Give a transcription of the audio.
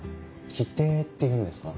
旗亭っていうんですか？